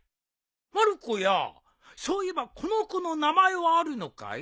まる子やそういえばこの子の名前はあるのかい？